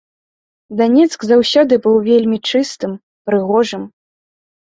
Данецк заўсёды быў вельмі чыстым, прыгожым.